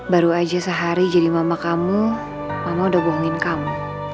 baru aja sehari jadi mama kamu mama udah bohongin kamu